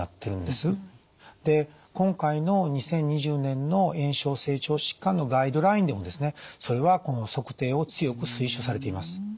で今回の２０２０年の炎症性腸疾患のガイドラインでもですねそれはこの測定を強く推奨されています。